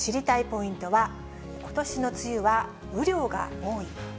ポイントは、ことしの梅雨は雨量が多い？